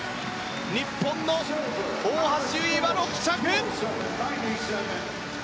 日本の大橋悠依は６着。